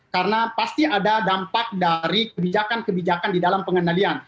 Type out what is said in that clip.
karena pasti ada dampak dari kebijakan kebijakan di dalam pengendalian